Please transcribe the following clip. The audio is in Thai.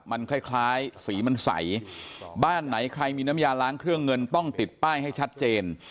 มันคล้ายคล้ายสีมันใสบ้านไหนใครมีน้ำยาล้างเครื่องเงินต้องติดป้ายให้ชัดเจน